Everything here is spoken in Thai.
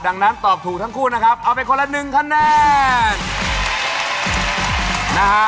ดังนั้นตอบถูกทั้งคู่นะครับเอาไปคนละ๑คะแนน